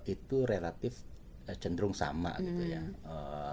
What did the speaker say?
itu relatif cenderung sama gitu ya